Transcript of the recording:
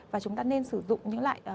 và chúng ta nên sử dụng những loại